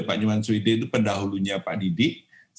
pak nyuman swide itu pendahulunya pak nyuman swide